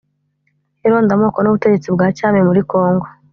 irondamoko n’ubutegetsi bwa cyami muri Congo